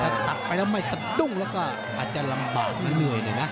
ถ้าตัดไปแล้วไม่สะดุ้งแล้วก็อาจจะลำบากหรือเหนื่อยเลยนะ